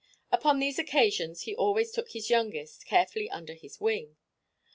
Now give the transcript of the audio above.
Upon these occasions he always took his youngest carefully under his wing.